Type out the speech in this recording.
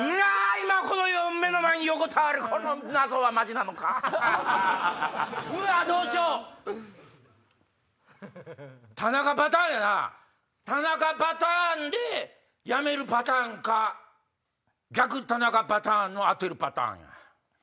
今この目の前に横たわるこの謎はマジなのか⁉田中パターンでやめるパターンか逆田中パターンの当てるパターンや。